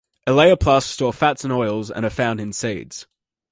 Elaioplasts store fats and oils and are found in seeds.